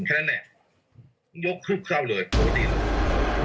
แค่นั้นแหละยกครึกเข้าเลยโทษทีแล้ว